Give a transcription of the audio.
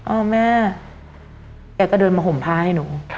เออแม่แกก็เดินมาห่มผ้าให้หนู